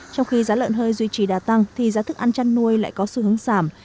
trong khi giá lợn hơi duy trì đà tăng thì giá thức ăn chăn nuôi lại có xu hướng giảm